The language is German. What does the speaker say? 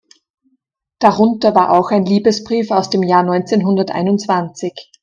Darunter war auch ein Liebesbrief aus dem Jahr neunzehnhunderteinundzwanzig.